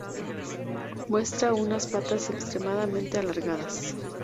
Muestra unas patas extremadamente alargadas.